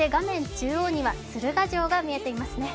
中央には鶴ヶ城が見えていますね。